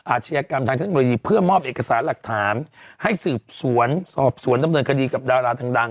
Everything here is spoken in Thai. อาชญากรรมทางเทคโนโลยีเพื่อมอบเอกสารหลักฐานให้สืบสวนสอบสวนดำเนินคดีกับดาราดัง